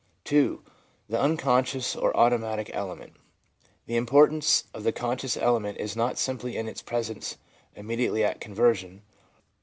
2. The Unconscious or Automatic Element. — The im portance of the conscious element is not simply in its presence immediately at conversion.